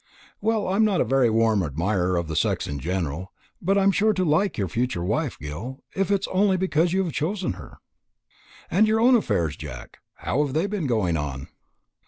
"Well, I am not a very warm admirer of the sex in general; but I am sure to like your future wife, Gil, if it is only because you have chosen her." "And your own affairs, Jack how have they been going on?"